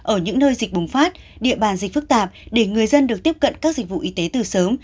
ở những nơi dịch bùng phát địa bàn dịch phức tạp để người dân được tiếp cận các dịch vụ y tế từ sớm